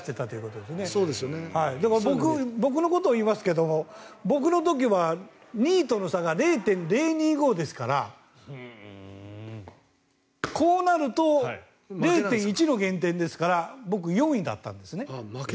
でも、僕のことを言いますけど僕は２位との差が０．０２５ですからこうなると０．１の減点なので僕４位だったんですね。